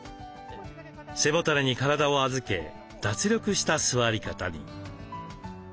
背もたれに体を預け脱力した座り方に。